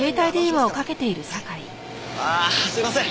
ああすいません！